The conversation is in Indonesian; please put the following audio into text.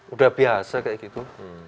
udah biasa kayak gitu